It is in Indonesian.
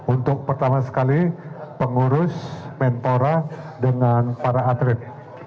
untuk pertama sekali pengurus mentora dengan para atlet